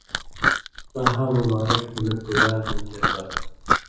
تاں ہا مبارک ہِن پویا مے شربت